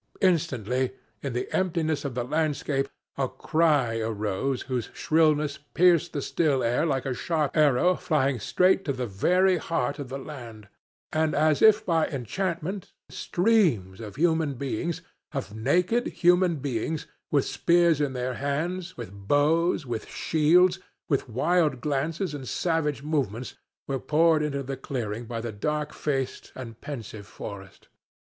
Instantly, in the emptiness of the landscape, a cry arose whose shrillness pierced the still air like a sharp arrow flying straight to the very heart of the land; and, as if by enchantment, streams of human beings of naked human beings with spears in their hands, with bows, with shields, with wild glances and savage movements, were poured into the clearing by the dark faced and pensive forest.